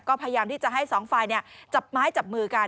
ก็พยายามที่จะให้สองฝ่ายจับไม้จับมือกัน